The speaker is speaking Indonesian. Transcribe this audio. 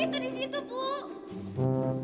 mana ada ular